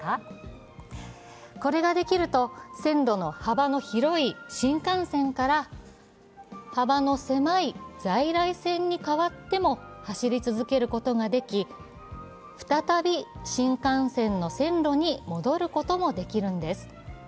これができると、線路の幅の広い新幹線から幅の狭い在来線に変わっても走り続けることができ、再び新幹線の線路に戻ることもできるんです。